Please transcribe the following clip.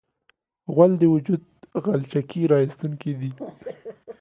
غول د وجود غلچکي راایستونکی دی.